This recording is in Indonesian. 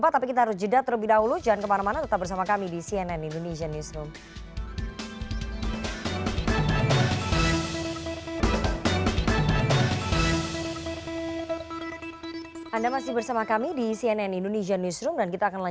tapi kita harus jeda terlebih dahulu